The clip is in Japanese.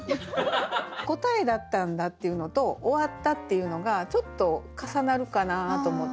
「答えだったんだ」っていうのと「終わった」っていうのがちょっと重なるかなと思って。